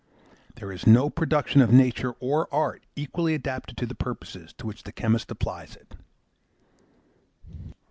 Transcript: There is no production of nature or art equally adapted to the purposes to which the chemist applies it.